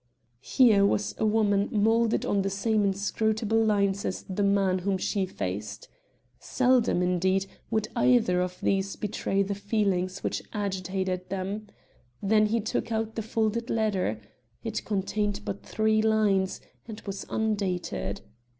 Here was a woman moulded on the same inscrutable lines as the man whom she faced. Seldom, indeed, would either of these betray the feelings which agitated them. Then he took out the folded letter. It contained but three lines, and was undated.